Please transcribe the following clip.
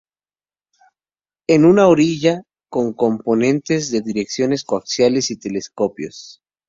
Es una horquilla con componentes de dirección coaxiales y telescópicos.